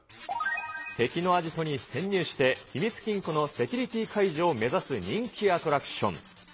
敵のアジトに潜入して、秘密金庫のセキュリティー解除を目指す人気アトラクション。